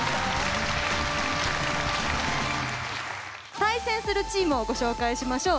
対戦するチームをご紹介しましょう。